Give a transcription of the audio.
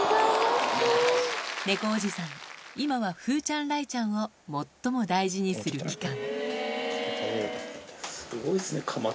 猫おじさん今は風ちゃん雷ちゃんを最も大事にする期間